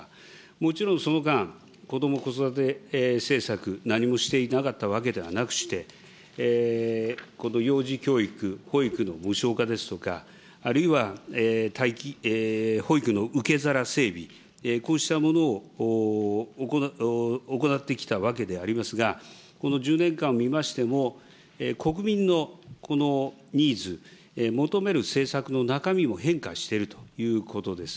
もちろんその間、こども・子育て政策、何もしていなかったわけではなくして、この幼児教育、保育の無償化ですとか、あるいは待機、保育の受け皿整備、こうしたものを行ってきたわけでありますが、この１０年間を見ましても、国民のこのニーズ、求める政策の中身も変化しているということです。